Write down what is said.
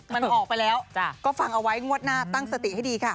มันออกไปแล้วก็ฟังเอาไว้งวดหน้าตั้งสติให้ดีค่ะ